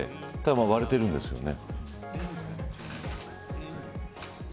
割れてるんですよね。